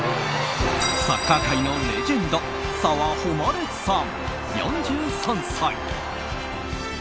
サッカー界のレジェンド澤穂希さん、４３歳。